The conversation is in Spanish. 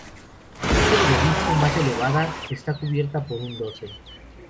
La silla del obispo, más elevada, está cubierta por un dosel.